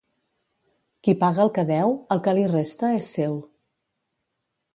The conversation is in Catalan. Qui paga el que deu, el que li resta és seu.